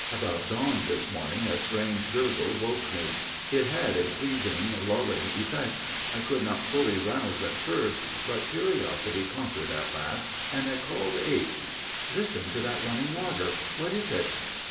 About dawn this morning a strange gurgle woke me. It had a pleasing, lulling effect. I could not fully rouse at first, but curiosity conquered at last, and I called H. "Listen to that running water. What is it?"